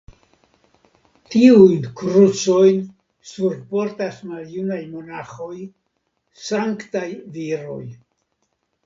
Tiujn krucojn surportas maljunaj monaĥoj, sanktaj viroj.